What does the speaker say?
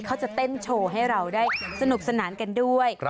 เขาจะเต้นโชว์ให้เราได้สนุกสนานกันด้วย